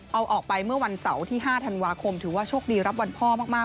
เอาออกไปเมื่อวันเสาร์ที่๕ธันวาคมถือว่าโชคดีรับวันพ่อมาก